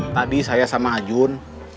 tadi saya sama ajun